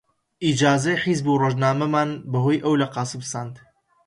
ئیجازەی حیزب و ڕۆژنامەمان بە هۆی ئەو لە قاسم ساند